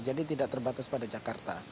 jadi tidak terbatas pada jakarta